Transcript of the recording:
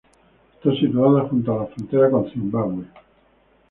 Está situada junto a la frontera con Zimbabue.